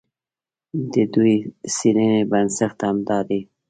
د دوی د څېړنې بنسټ همدا دی.